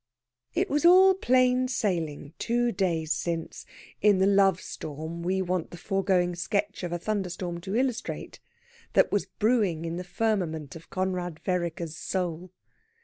It was all plain sailing, two days since, in the love storm we want the foregoing sketch of a thunderstorm to illustrate, that was brewing in the firmament of Conrad Vereker's soul.